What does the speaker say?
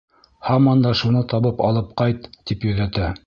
Һаман да шуны табып алып ҡайт, тип йөҙәтә.